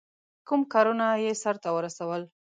کوم کارونه یې سرته ورسول.